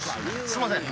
すんません。